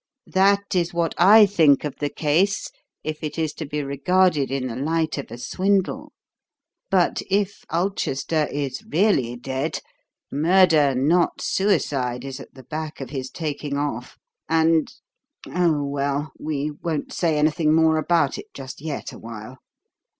That is what I think of the case if it is to be regarded in the light of a swindle; but if Ulchester is really dead, murder, not suicide, is at the back of his taking off, and Oh, well, we won't say anything more about it just yet awhile.